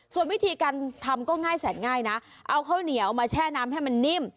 ส่วนวิธีการทำก็ง่ายแสนง่ายนะเอาข้าวเหนียวมาแช่น้ำให้มันนิ่ม